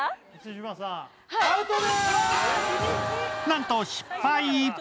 なんと失敗！